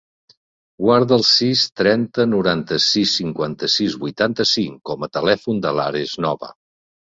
Guarda el sis, trenta, noranta-sis, cinquanta-sis, vuitanta-cinc com a telèfon de l'Ares Nova.